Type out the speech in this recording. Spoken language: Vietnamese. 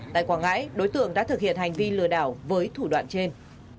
tại quảng ngãi đối tượng đã thực hiện hành vi lừa đảo với thủ đoạn trên